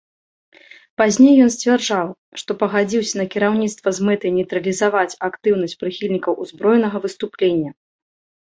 Пазней ён сцвярджаў, што пагадзіўся на кіраўніцтва з мэтай нейтралізаваць актыўнасць прыхільнікаў узброенага выступлення.